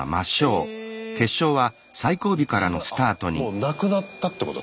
もうなくなったってこと？